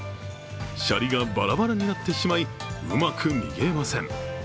しゃりがバラバラになってしまいうまく握れません。